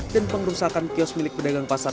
dan pengrusakan kios milik pedagang pasar kota bumi